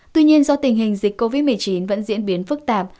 tuy nhiên do tình hình dịch covid một mươi chín vẫn diễn biến phức tạp